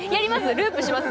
ループします？